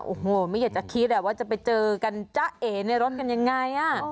โอ้โหไม่อยากจะคิดว่าจะไปเจอกันจ๊ะเอ๋ในรถกันยังไง